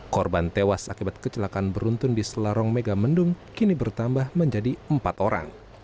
korban tewas akibat kecelakaan beruntun di selarong megamendung kini bertambah menjadi empat orang